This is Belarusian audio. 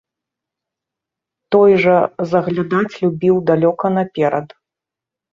Той жа заглядаць любіў далёка наперад.